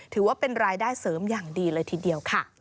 ถือว่าเป็นรายได้เสริมอย่างดีเลยทีเดียวค่ะ